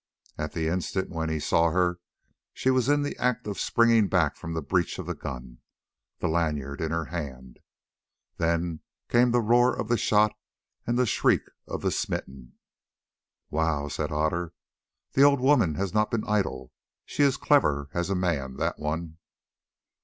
At the instant when he saw her she was in the act of springing back from the breech of the gun, the lanyard in her hand. Then came the roar of the shot and the shriek of the smitten. "Wow!" said Otter, "the old woman has not been idle. She is clever as a man, that one."